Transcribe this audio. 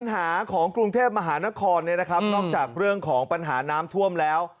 ปัญหาของกรุงเทพมหานครนอกจากเรื่องของปัญหาน้ำถ่วมแล้ว